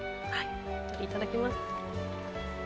鶏いただきます。